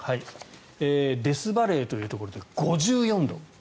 デスバレーというところで５４度。